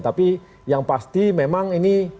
tapi yang pasti memang ini